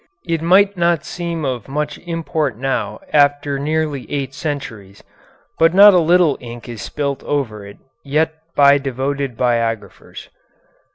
It might not seem of much import now after nearly eight centuries, but not a little ink is spilt over it yet by devoted biographers.